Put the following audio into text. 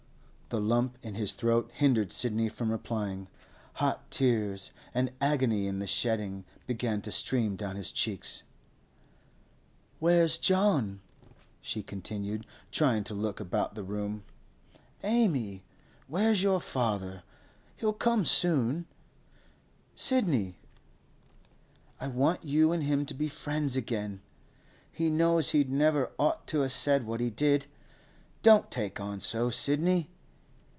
The lump in his throat hindered Sidney from replying. Hot tears, an agony in the shedding, began to stream down his cheeks. 'Where's John?' she continued, trying to look about the room. 'Amy, where's your father? He'll come soon, Sidney. I want you and him to be friends again. He knows he'd never ought to a' said what he did. Don't take on so, Sidney!